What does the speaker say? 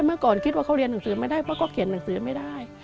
เมื่อก่อนคิดว่าเขาเรียนหนังสือไม่ได้เพราะเขาเขียนหนังสือไม่ได้